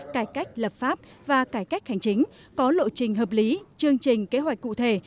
cải cách lập pháp và cải cách hành chính có lộ trình hợp lý chương trình kế hoạch cụ thể